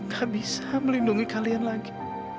gak bisa melindungi kalian lagi